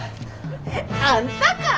あんたか！